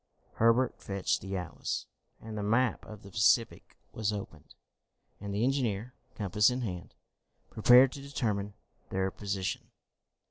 Herbert fetched the atlas, and the map of the Pacific was opened, and the engineer, compass in hand, prepared to determine their position.